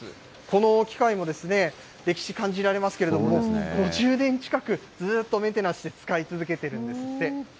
この機械も歴史感じられますけれども、５０年近く、ずーっとメンテナンスして、使い続けているんですって。